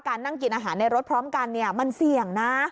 นั่งกินอาหารในรถพร้อมกันมันเสี่ยงนะ